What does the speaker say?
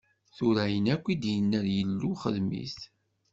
Tura, ayen akk i k-d-inna Yillu, xedm-it.